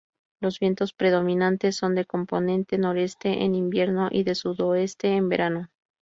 Los vientos predominantes son de componente Noreste en invierno y de Sudoeste en verano.